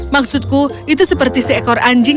maksudku itu seperti seekor anjing